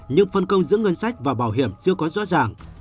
nhưng phân công giữa ngân sách và bảo hiểm chưa có rõ ràng